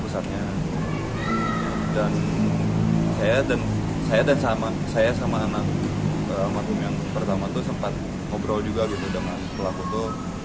saya dan sama anak matum yang pertama itu sempat ngobrol juga dengan pelaku itu